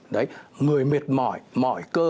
đấy người mệt mỏi mỏi cơ